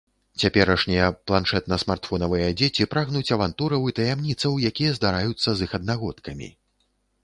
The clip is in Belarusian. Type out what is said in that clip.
Цяперашнія планшэтна-смартфонавыя дзеці прагнуць авантураў і таямніцаў, якія здараюцца з іх аднагодкамі.